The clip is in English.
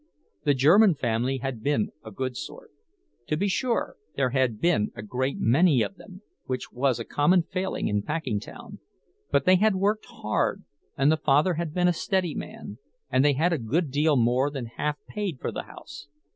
The German family had been a good sort. To be sure there had been a great many of them, which was a common failing in Packingtown; but they had worked hard, and the father had been a steady man, and they had a good deal more than half paid for the house.